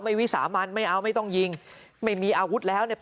วิสามันไม่เอาไม่ต้องยิงไม่มีอาวุธแล้วเนี่ย